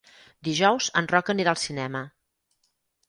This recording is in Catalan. Dijous en Roc anirà al cinema.